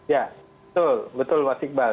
ya betul betul mas iqbal